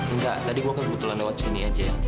enggak tadi gue kebetulan lewat sini aja